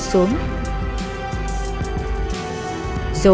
anh đúng ngã xuống